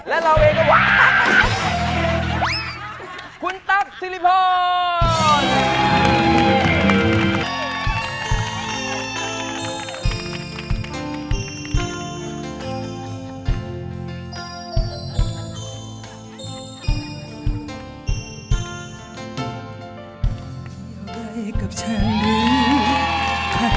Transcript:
แล้วเราเองก็ว่า